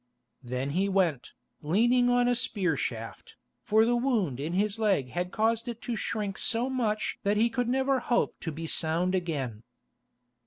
Then he went, leaning on a spear shaft, for the wound in his leg had caused it to shrink so much that he could never hope to be sound again.